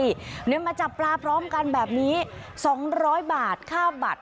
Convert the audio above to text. วันนี้มาจับปลาพร้อมกันแบบนี้สองร้อยบาทค่าบัตร